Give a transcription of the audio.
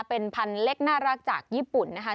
เป็นพันธุ์เล็กน่ารักจากญี่ปุ่นนะคะ